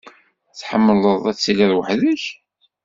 Tḥemmleḍ ad tiliḍ weḥd-k?